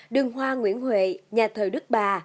đường hoa nguyễn huệ nhà thờ đức bà